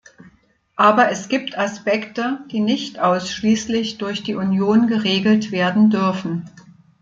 Aber es gibt Aspekte, die nicht ausschließlich durch die Union geregelt werden dürfen.